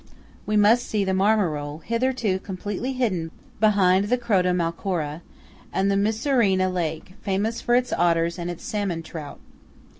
We must see the Marmarole, hitherto completely hidden behind the Croda Malcora; and the Misurina Lake, famous for its otters and its salmon trout.